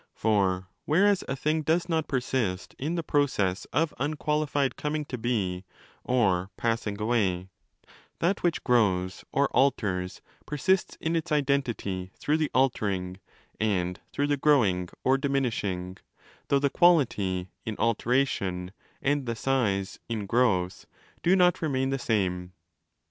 . For whereas a thing does not persist in the processes of unqualified coming to be or passing away, that which grows or 'alters' persists in its identity through the 'altering' and through the growing or diminishing, though the quality (in 'altera 25 tion') and the size (in growth) do not remain the same.